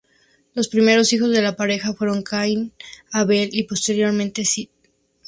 Los primeros hijos de la pareja fueron Caín, Abel, y posteriormente Set.